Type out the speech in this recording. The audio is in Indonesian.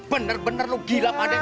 bener bener lu gila pade